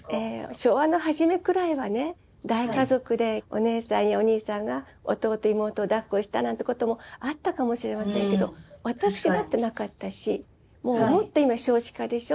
昭和の初めくらいはね大家族でお姉さんやお兄さんが弟妹をだっこしたなんてこともあったかもしれませんけどもうもっと今少子化でしょ。